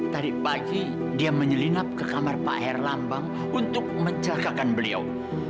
tadi pagi dia menyelinap ke kamar pak herlambang untuk menjagakan beliau